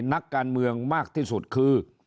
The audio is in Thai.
นักการเมืองมากที่สุดคือ